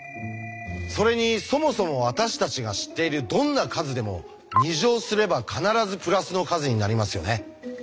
それにそもそも私たちが知っているどんな数でも２乗すれば必ずプラスの数になりますよね。